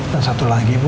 dan satu lagi bu